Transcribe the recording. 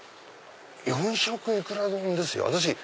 「４色いくら丼」ですよ。